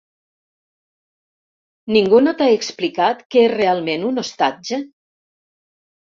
Ningú no t'ha explicat què és realment un ostatge?